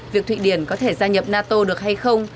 việc thụy điển có thể gia nhập nato được hay không